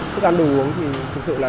thức ăn đồ uống thì thực sự là